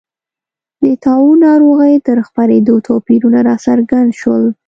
د طاعون ناروغۍ تر خپرېدو توپیرونه راڅرګند شول.